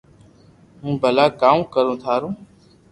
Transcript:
ھون ڀلا ڪاو ڪرو ٿارو